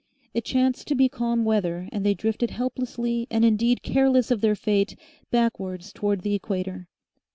It chanced to be calm weather, and they drifted helplessly and indeed careless of their fate backwards towards the Equator.